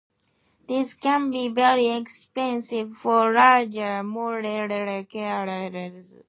This can be very expensive for larger molecules.